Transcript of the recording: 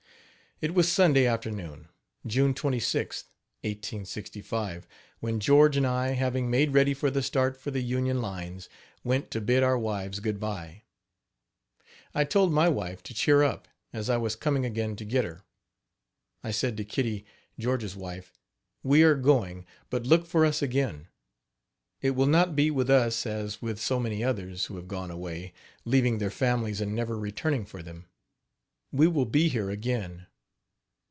It was Sunday afternoon, June 26th, 1865, when George and I, having made ready for the start for the Union lines, went to bid our wives good bye. I told my wife to cheer up, as I was coming again to get her. I said to Kitty, George's wife: "We are going, but look for us again. It will not be with us as with so many others, who have gone away, leaving their families and never returning for them. We will be here again.